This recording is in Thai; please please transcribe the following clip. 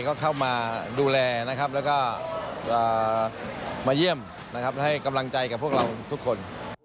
เขาก็เข้ามาดูแลแล้วก็มาเยี่ยมให้กำลังใจกับพวกเราทุกคน